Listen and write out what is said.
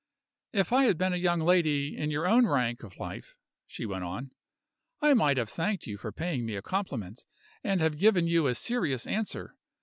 "If I had been a young lady in your own rank of life," she went on, "I might have thanked you for paying me a compliment, and have given you a serious answer.